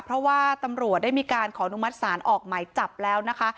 เพราะว่าตำรวจได้มีการขออนุมัติศาลออกหมายจับแล้วนะคะ